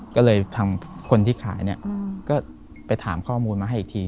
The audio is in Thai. ก็เลยทางคนที่ขายเนี่ยก็ไปถามข้อมูลมาให้อีกที